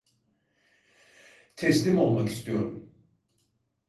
Teslim olmak istiyorum.